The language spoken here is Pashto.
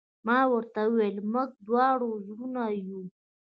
ما ورته وویل: موږ دواړه زړور یو.